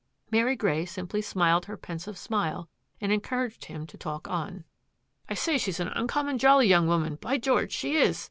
'' Mary Grey simply smiled her pensive smile and encouraged him to talk on. " I say, she's an uncommon jolly young woman, by Greorge, she is!